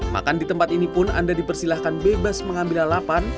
makan di tempat ini pun anda dipersilahkan bebas mengambil lalapan